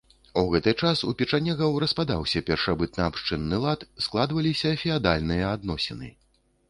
У гэты час у печанегаў распадаўся першабытнаабшчынны лад, складваліся феадальныя адносіны.